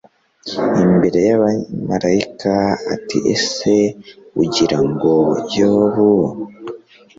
imbere y abamarayika ati ese ugira ngo yobu